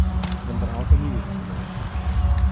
Vendar avto ni bil poškodovan.